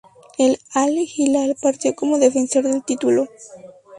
El Al-Hilal partió como defensor del título.